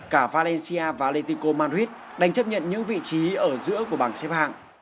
cả valencia và atletico madrid đánh chấp nhận những vị trí ở giữa của bảng xếp hạng